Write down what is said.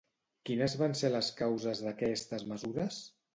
Quines van ser les causes d'aquestes mesures?